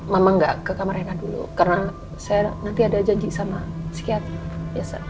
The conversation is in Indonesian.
mama nggak ke kamar rena dulu karena saya nanti ada janji sama psikiater